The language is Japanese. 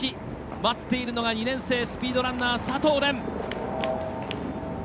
待っているのが２年生スピードランナー、佐藤蓮。